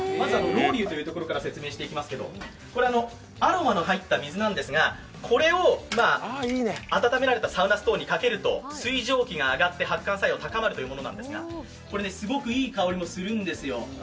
ロウリュウから説明していきますけれども、アロマの入った水なんですがこれを温められたストーンにかけると、水蒸気が上がって発汗作用が高まるというものなんですがこれね、すごくいい香りもするんですよ。